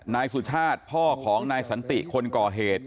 นายสุชาติพ่อของนายสันติคนก่อเหตุ